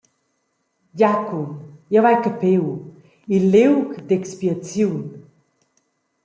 «Giacun, jeu vai capiu –il liug d’expiaziun.